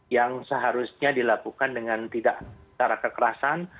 yang seharusnya dilakukan dengan tidak secara kekerasan